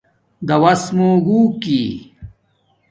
داݸس مُو گُھوکی